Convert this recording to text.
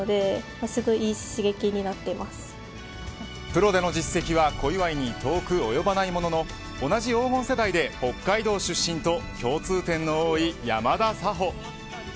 プロでの実績は小祝に遠く及ばないものの同じ黄金世代で北海道出身と共通点の多い山田彩歩。